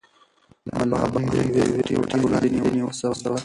ملا بانګ د یوې پټې وړانګې د نیولو هڅه وکړه.